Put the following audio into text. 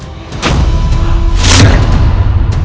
itu tuh bagian penjahat alpaka